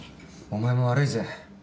お前も悪いぜ。